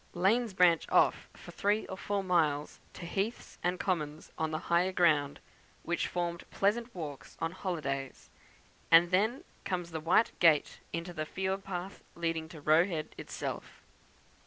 Lanes branch off for three or four miles to heaths and commons on the higher ground, which formed pleasant walks on holidays, and then comes the white gate into the field path leading to Roe Head itself.